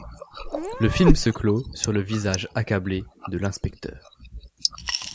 Le film se clôt sur le visage accablé de l'inspecteur.